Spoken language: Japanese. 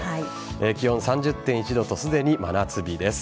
気温３０．１度とすでに真夏日です。